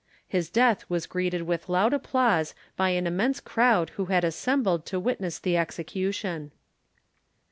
His death was greeted with loud applause by an immense crowd who had assembled to witness the execution.